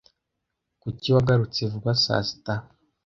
Kuki wagarutse vuba saa sita?